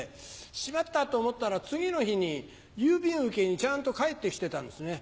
しまった！と思ったら次の日に郵便受けにちゃんと返ってきてたんですね。